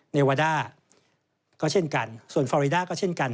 เนวาด้าก็เช่นกันส่วนฟอริดาก็เช่นกัน